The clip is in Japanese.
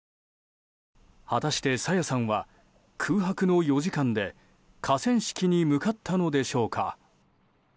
果たして朝芽さんは空白の４時間で河川敷に向かったのでしょうか。